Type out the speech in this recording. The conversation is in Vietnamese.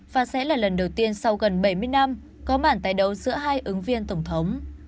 và sẽ là lần đầu tiên sau gần bảy mươi năm có bản tái đấu giữa hai ứng viên tổng thống